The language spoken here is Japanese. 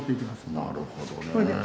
なるほどね。